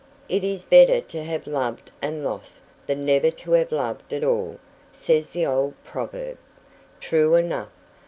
"It is better to have loved and lost than never to have loved at all," says the old proverb. True enough.